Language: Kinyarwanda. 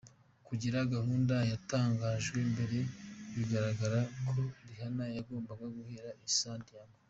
Kuri gahunda yatangajwe mbere, bigaragara ko Rihanna yagombaga guhera i San Diego.